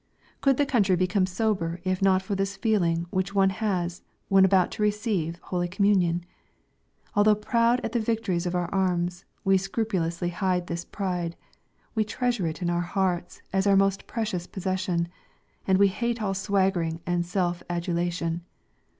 Could the country become sober if not for this feeling which one has when about to receive holy communion? Although proud at the victories of our arms, we scrupulously hide this pride, we treasure it in our hearts as our most precious possession, and we hate all swaggering and self adulation.